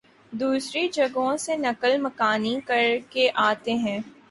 دوسری جگہوں سے نقل مکانی کرکے آتے ہیں